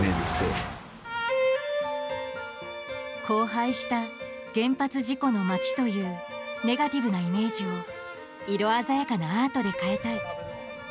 荒廃した原発事故の町というネガティブなイメージを色鮮やかなアートで変えたい。